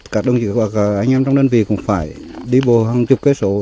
các đơn vị hoặc anh em trong đơn vị cũng phải đi bồ hằng chục cái số